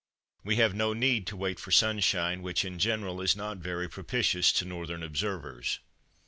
We have no need to wait for sunshine, which in general is not very propitious to northern observers.